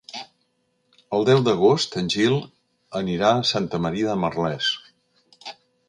El deu d'agost en Gil anirà a Santa Maria de Merlès.